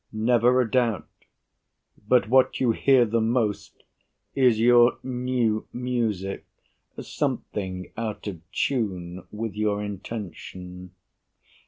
BURR Never a doubt. But what you hear the most Is your new music, something out of tune With your intention.